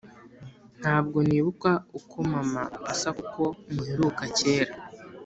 ntabwo nibuka uko mama asa kuko muheruka kera